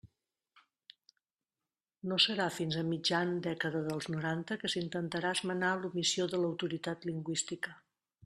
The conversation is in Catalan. No serà fins a mitjan dècada dels noranta que s'intentarà esmenar l'omissió de l'autoritat lingüística.